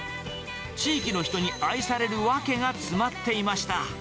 地域の人に愛される訳が詰まっていました。